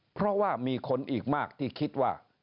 เพราะว่ามีคนอีกมากที่คิดว่า